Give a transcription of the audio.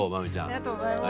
ありがとうございます。